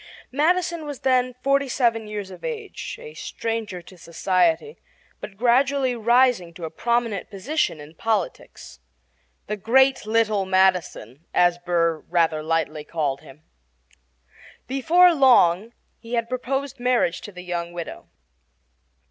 Madison was then forty seven years of age, a stranger to society, but gradually rising to a prominent position in politics "the great little Madison," as Burr rather lightly called him. Before very long he had proposed marriage to the young widow.